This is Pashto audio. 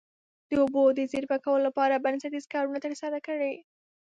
د اوبو د زیرمه کولو لپاره بنسټیز کارونه ترسره کړي.